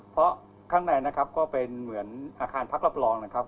เพราะข้างในนะครับก็เป็นเหมือนอาคารพักรับรองนะครับ